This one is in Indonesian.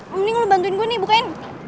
mending lu bantuin gue nih bukain